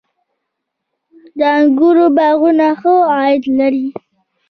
د انګورو باغونه ښه عاید لري؟